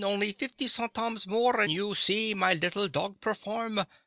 Only fifty centimes more, and you see my little dog perform!